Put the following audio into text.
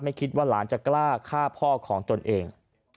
คิดว่าหลานจะกล้าฆ่าพ่อของตนเอง